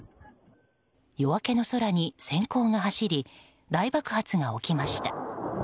夜明けの空に閃光が走り大爆発が起きました。